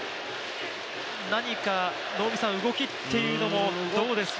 何か動きっていうのもどうですか？